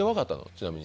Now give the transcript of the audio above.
ちなみに。